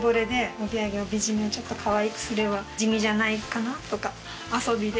帯揚げ帯締めをちょっとかわいくすれば地味じゃないかなとか遊びで。